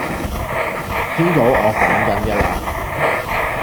篇稿我趕緊架喇